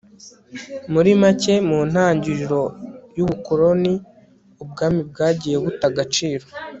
muri make, mu ntagiriro y'ubukoloni, ubwami bwagiye buta agaciro